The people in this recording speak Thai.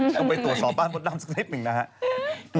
ต้องไปตรวจสอบบ้านมดดำสักนิดหนึ่งนะครับ